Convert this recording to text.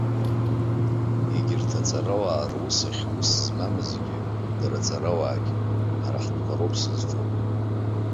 Егьырҭ аҵарауаа рус ахь ус змамызгьы, дара аҵарауаагьы, ҳара ҳтәқәа роуп сызҿу.